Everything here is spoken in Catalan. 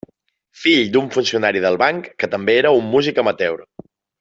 Fill d'un funcionari del banc que també era un músic amateur.